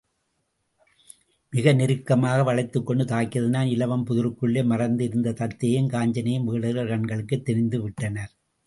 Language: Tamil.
மிக நெருக்கமாக வளைத்துக்கொண்டு தாக்கியதனால், இலவம் புதருக்குள்ளே மறைந்து இருந்த தத்தையும் காஞ்சனையும் வேடர்கள் கண்களுக்குத் தெரிந்துவிட்டனர்.